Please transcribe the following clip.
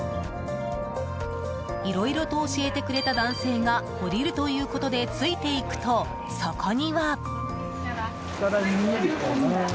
いろいろと教えてくれた男性が降りるということでついていくと、そこには。